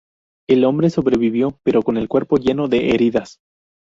El hombre sobrevivió pero con el cuerpo lleno de heridas.